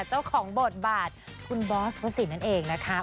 เจ้าของบทบาทคุณบอสวสินนั่นเองนะคะ